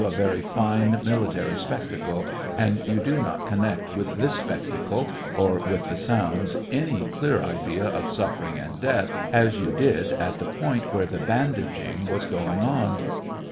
19 a very fine military spectacle, and you do not connect with this spectacle, or with the sounds, any clear idea of suffering and death, as you did at the point where the bandaging was going on.